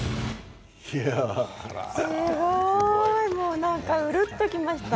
すごい。なんかうるっときました。